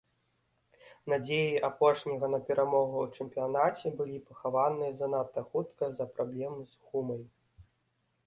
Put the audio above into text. Надзеі апошняга на перамогу ў чэмпіянаце былі пахаваныя занадта хутка з-за праблем з гумай.